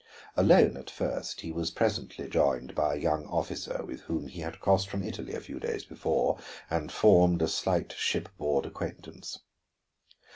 Alone at first, he was presently joined by a young officer with whom he had crossed from Italy a few days before and formed a slight shipboard acquaintance.